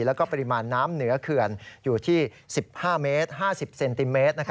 แล้วก็ปริมาณน้ำเหนือเขื่อนอยู่ที่๑๕เมตร๕๐เซนติเมตร